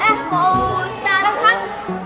eh mau ustaz ada kapal